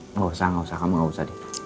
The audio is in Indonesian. enggak usah enggak usah kamu enggak usah dik